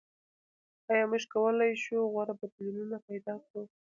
آیا موږ کولای شو غوره بدیلونه پیدا کړو؟